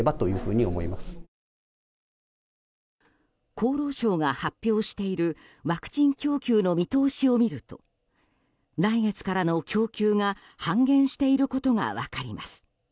厚労省が発表しているワクチン供給の見通しを見ると来月からの供給が半減していることが分かります。